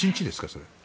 それ。